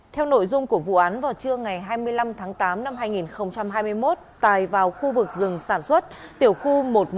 theo nội dung của vụ án vào trưa ngày hai mươi năm tháng tám năm hai nghìn hai mươi một tài vào khu vực rừng sản xuất tiểu khu một nghìn một trăm bảy mươi bốn